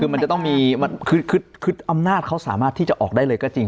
คือมันจะต้องมีคืออำนาจเขาสามารถที่จะออกได้เลยก็จริง